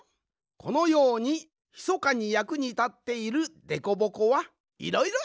このようにひそかにやくにたっているでこぼこはいろいろあるんじゃ。